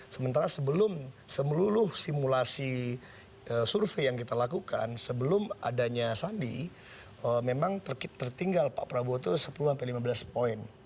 sementara sebelum semeluluh simulasi survei yang kita lakukan sebelum adanya sandi memang tertinggal pak prabowo itu sepuluh lima belas poin